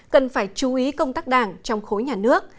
cần phải chú ý công tác đảng trong khối nhà nước